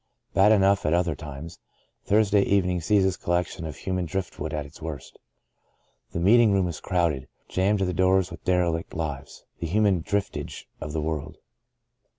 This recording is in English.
Bad enough at other times, Thursday evening sees this collection of human driftwood at its worst. The meeting room is crowded — ^jammed to the doors with derelict lives — the human driftage of the world.